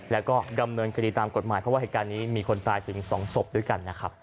แล้วก็ดำเนินคดีตามกฎหมายเพราะว่าเหตุการณ์นี้มีคนตายถึง๒ศพด้วยกันนะครับ